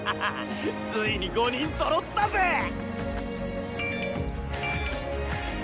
ついに５人揃ったぜぇ！